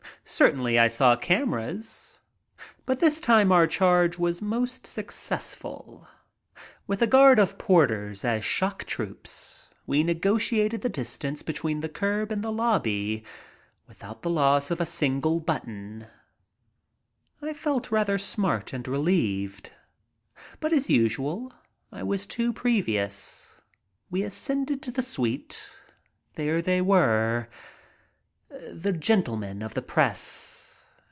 Certainly I saw cameras. But this time our charge was most successful. With a guard of porters as shock troops, we negotiated the distance between the curb and the lobby without the loss of a single button. I felt rather smart and relieved. But, as usual, I was too previous. We ascended to the suite. There they were. The gentlemen of the press.